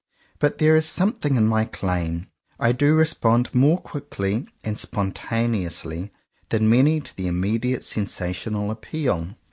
But there is something in my claim. I do respond more quickly and spontaneous ly than many to the immediate sensational appeal.